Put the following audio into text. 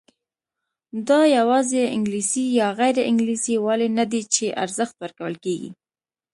دا یوازې انګلیسي یا غیر انګلیسي والی نه دی چې ارزښت ورکول کېږي.